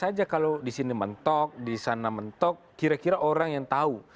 siapa saja kalau disini mentok disana mentok kira kira orang yang tahu